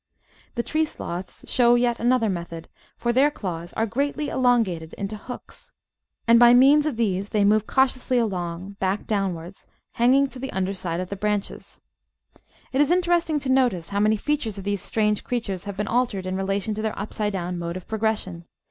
The Tree Sloths show yet another method, for their claws are greatly elongated into hooks, and by 464 The Outline of Science means of these they move cautiously along, back downwards, hanging to the underside of the branches. It is interesting to notice how many features of these strange creatures have been altered in relation to their upside down mode of progression.